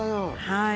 はい。